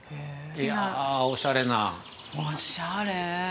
いや、おしゃれな。◆おしゃれ。